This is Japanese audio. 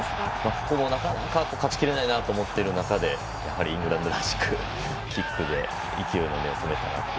ここもなかなか勝ちきれないなと思ってる中でやはり、イングランドらしくキックで息の根を止めたなと。